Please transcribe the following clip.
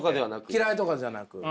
嫌いとかじゃなく。